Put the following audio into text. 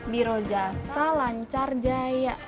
biro jasa lancar jaya